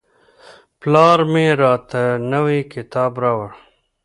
پلار مې راته نوی کتاب راوړ.